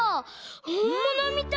ほんものみたい。